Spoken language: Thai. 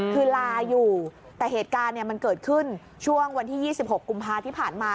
คือลาอยู่แต่เหตุการณ์มันเกิดขึ้นช่วงวันที่๒๖กุมภาที่ผ่านมา